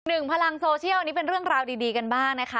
พลังโซเชียลอันนี้เป็นเรื่องราวดีกันบ้างนะคะ